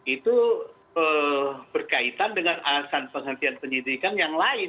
itu berkaitan dengan alasan penghentian penyidikan yang lain